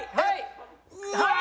はい！